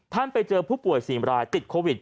ไปเจอผู้ป่วย๔รายติดโควิด